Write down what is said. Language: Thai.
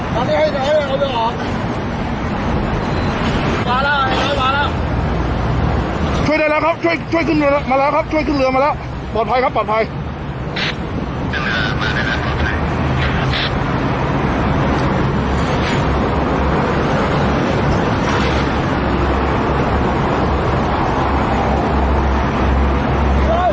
ตอนนี้ให้แสงให้เราไปออกมาแล้วมาแล้วมาแล้ว